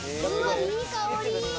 いい香り！